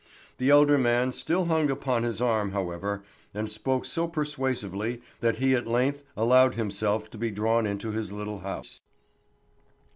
The elder man still hung upon his arm, however, and spoke so persuasively that he at length allowed himself to be drawn into his little house.